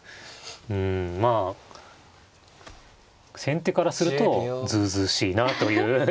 うんまあ先手からするとずうずうしいなという手ですね。